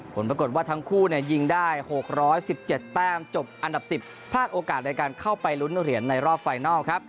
ผลประกดว่าทั้งคู่เนี่ยยิงได้หกร้อยสิบเจ็ดแป้มจบอันดับสิบพลาดโอกาสในการเข้าไปลุ้นเหรียญในรอบไฟนอลครับ